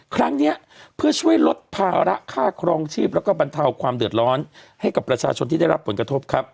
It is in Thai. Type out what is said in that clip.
ครั้งนี้เพื่อช่วยลดภาระค่าครองชีพแล้วก็บรรเทาความเดือดร้อนให้กับประชาชนที่ได้รับผลกระทบครับ